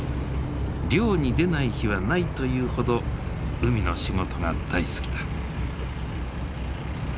漁に出ない日はないというほど海の仕事が大好きだ。